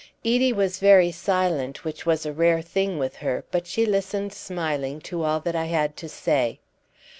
Edie was very silent, which was a rare thing with her; but she listened smiling to all that I had to say.